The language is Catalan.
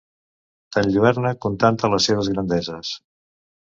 T'enlluerna contant-te les seves grandeses.